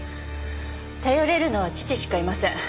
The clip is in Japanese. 頼れるのは父しかいません